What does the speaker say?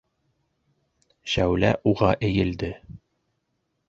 - Шәүлә уға эйелде.